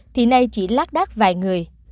thì nay chỉ lát đát vài người